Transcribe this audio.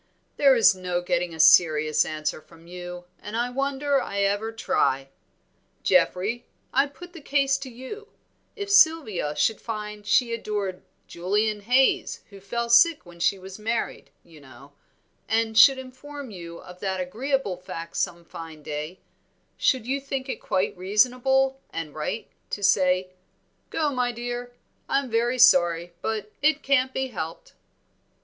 "There is no getting a serious answer from you, and I wonder I ever try. Geoffrey, I put the case to you; if Sylvia should find she adored Julian Haize, who fell sick when she was married, you know, and should inform you of that agreeable fact some fine day, should you think it quite reasonable and right to say, 'Go, my dear, I'm very sorry, but it can't be helped.'"